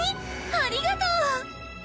ありがとう！